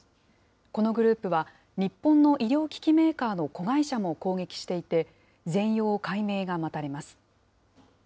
このグループは、日本の医療機器メーカーの子会社も攻撃していて、全容解明が待たれます。